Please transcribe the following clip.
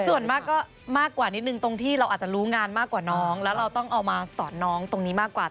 ส่วนมากก็มากกว่านิดนึงตรงที่เราอาจจะรู้งานมากกว่าน้องแล้วเราต้องเอามาสอนน้องตรงนี้มากกว่า